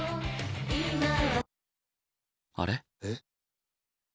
あれ？